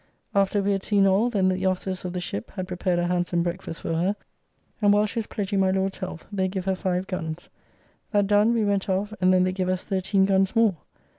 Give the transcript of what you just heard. After we had seen all, then the officers of the ship had prepared a handsome breakfast for her, and while she was pledging my Lord's health they give her five guns. That done, we went off, and then they give us thirteen guns more.